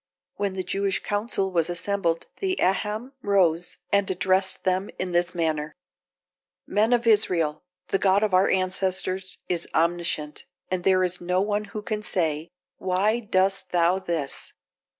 When the Jewish council was assembled, the Haham rose, and addressed them in this manner "Men of Israel! the God of our ancestors is omniscient, and there is no one who can say, Why doest thou this?